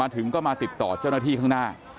ถึงก็มาติดต่อเจ้าหน้าที่ข้างหน้า